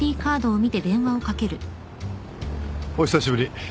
お久しぶり